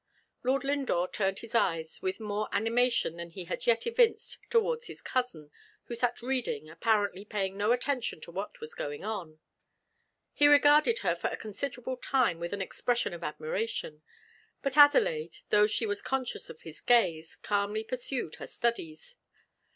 Lord Lindore turned his eyes with more animation than he had yet evinced towards his cousin, who sat reading, apparently paying no attention to what was going on. He regarded her for a considerable time with an expression of admiration; but Adelaide, though she was conscious of his gaze, calmly pursued her studies.